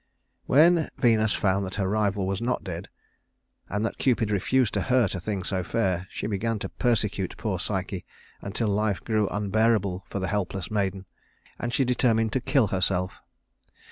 When Venus found that her rival was not dead, and that Cupid refused to hurt a thing so fair, she began to persecute poor Psyche until life grew unbearable for the helpless maiden, and she determined to kill herself.